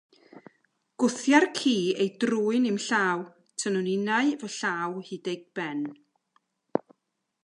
Gwthiai'r ci ei drwyn i'm llaw, tynnwn innau fy llaw hyd ei ben.